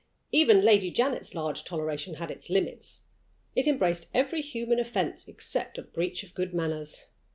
Even Lady Janet's large toleration had its limits. It embraced every human offense except a breach of good manners.